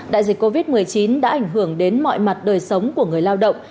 đại dịch covid một mươi chín đã ảnh hưởng đến mọi mặt đời sống của người lao động